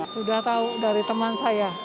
sudah tahu dari teman saya